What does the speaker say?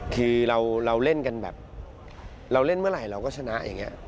คือเราเล่นเมื่อไหร่เราก็ชนะอย่างนี้